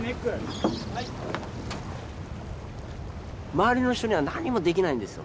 周りの人には何もできないんですよ。